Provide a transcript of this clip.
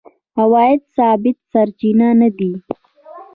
عوایده ثابت سرچینه نه دي.